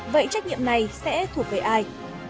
vậy trách nhiệm này sẽ thuộc về ai